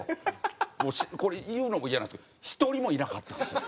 もうこれ言うのもイヤなんですけど１人もいなかったんですよ。